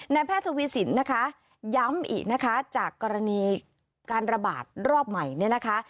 แพทย์ทวีสินนะคะย้ำอีกนะคะจากกรณีการระบาดรอบใหม่เนี่ยนะคะ